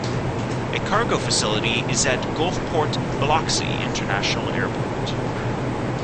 A cargo facility is at Gulfport-Biloxi International Airport.